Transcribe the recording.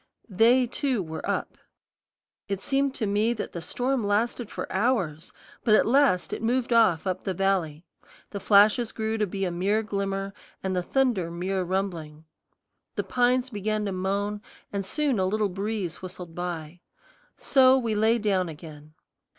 They, too, were up. It seemed to me that the storm lasted for hours; but at last it moved off up the valley, the flashes grew to be a mere glimmer, and the thunder mere rumbling. The pines began to moan, and soon a little breeze whistled by. So we lay down again.